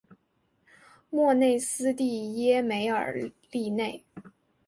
莫内斯蒂耶梅尔利内。